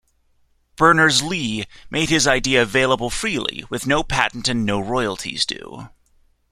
Berners-Lee made his idea available freely, with no patent and no royalties due.